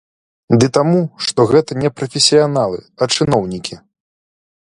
Ды таму, што гэта не прафесіяналы, а чыноўнікі!